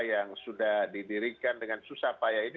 yang sudah didirikan dengan susah payah ini